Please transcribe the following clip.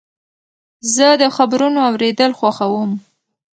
زه د خبرونو اورېدل خوښوم.